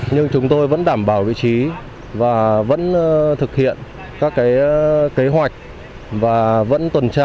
nhưng chúng tôi vẫn đảm bảo vị trí và vẫn thực hiện các cái kế hoạch và vẫn tuần tra lưu án